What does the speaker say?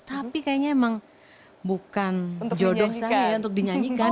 tapi kayaknya emang bukan jodoh saya untuk dinyanyikan